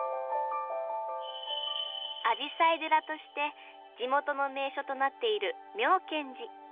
アジサイ寺として地元の名所となっている妙顕寺。